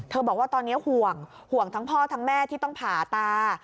บอกว่าตอนนี้ห่วงห่วงทั้งพ่อทั้งแม่ที่ต้องผ่าตา